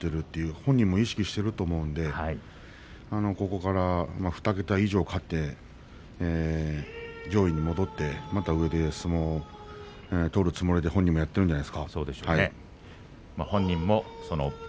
本人も意識していると思うのでここから２桁以上勝って上位に戻って上で相撲を取るつもりで本人もやっているんじゃないですか。